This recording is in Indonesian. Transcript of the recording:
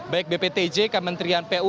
baik bptj kementerian pu